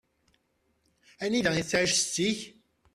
Anda i tettƐic setti-k?